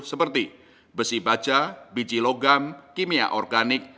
seperti besi baja biji logam kimia organik